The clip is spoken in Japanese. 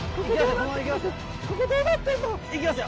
行きますよ。